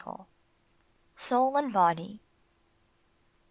SOUL AND BODY.